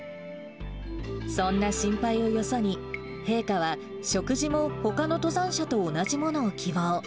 そんな心配をよそに、陛下は食事もほかの登山者と同じものを希望。